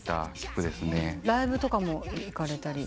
ライブとかも行かれたり？